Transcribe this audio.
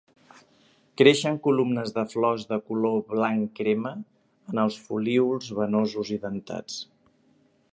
Creixen columnes de flors de color blanc-crema en els folíols venosos i dentats.